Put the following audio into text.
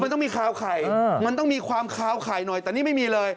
มันต้องมีคาวไข่มันต้องมีความคาวไข่หน่อยแต่นี่ไม่มีเลย